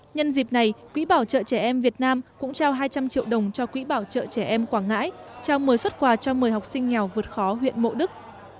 nhân dịp này quỹ bảo trợ trẻ em việt nam cũng trao hai trăm linh triệu đồng cho quỹ bảo trợ trẻ em quảng ngãi trao một mươi xuất quà cho một mươi học sinh nghèo vượt khó huyện mộ đức